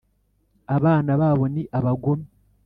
abana babo ni abagome,